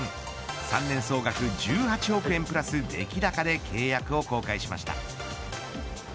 ３年総額１８億円プラス出来高で契約を更改しました。